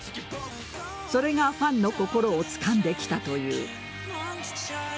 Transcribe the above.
それがファンの心をつかんできたという。